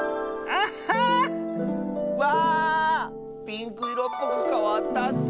ピンクいろっぽくかわったッス！